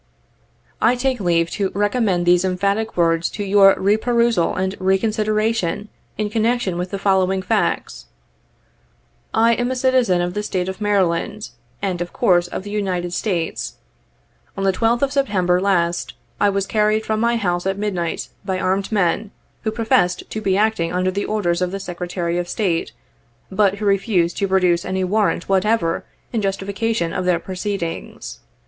'' I take leave to recommend these emphatic words to your re perusal and re consideration in connection with the following facts. I am a citizen 67 of the State of Maryland, and, of course of the United States. On the 12th of September last, I was carried from my house at midnight, by armed men, who professed to be acting under the orders of the Secretary of State, but who refused to produce any warrant whatever in justification of their proceedings.